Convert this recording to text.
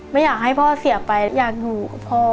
ไม่อยากให้พ่อเสียไปอยากอยู่กับพ่อ